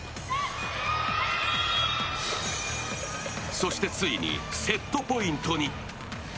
そしてついに、セットポイントに。